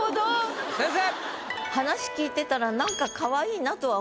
先生！